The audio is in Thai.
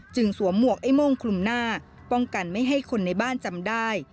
สวมหมวกไอ้โม่งคลุมหน้าป้องกันไม่ให้คนในบ้านจำได้